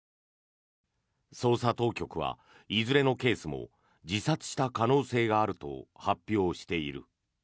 捜査当局はいずれのケースも自殺した可能性があると発表している。